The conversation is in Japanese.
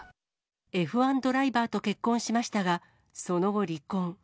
Ｆ１ドライバーと結婚しましたが、その後、離婚。